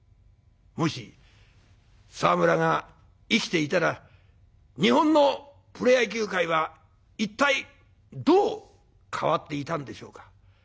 もし沢村が生きていたら日本のプロ野球界は一体どう変わっていたんでしょうか。